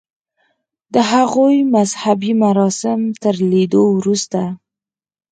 د هغوی مذهبي مراسم تر لیدو وروسته.